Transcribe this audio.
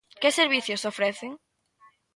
Que servizos ofrecen?